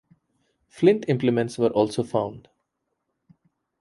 Flint implements were also found.